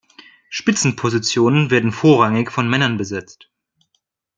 Spitzenpositionen werden vorrangig von Männern besetzt.